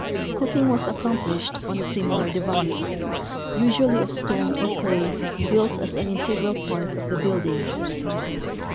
Cooking was accomplished on a sim ilar device, usually of stone or clay built as an integral part of the building.